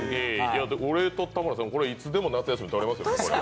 俺と田村さん、これいつでも夏休みとれますよね。